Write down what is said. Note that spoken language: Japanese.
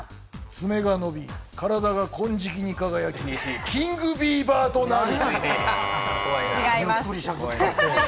爪が伸び、体が金色に輝き、キングビーバーとなる。